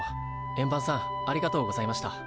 円盤さんありがとうございました。